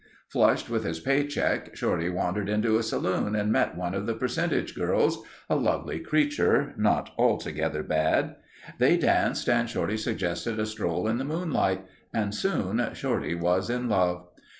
Flushed with his pay check, Shorty wandered into a saloon and met one of the percentage girls—a lovely creature, not altogether bad. They danced and Shorty suggested a stroll in the moonlight. And soon Shorty was in love.